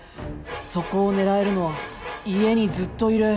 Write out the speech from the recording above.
そこを狙えるのは家にずっといる。